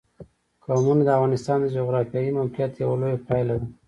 قومونه د افغانستان د جغرافیایي موقیعت یوه لویه پایله ده.